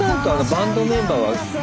バンドメンバーもいる。